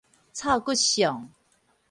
臭骨相